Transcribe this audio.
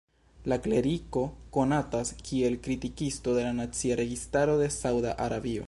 La kleriko konatas kiel kritikisto de la nacia registaro de Sauda Arabio.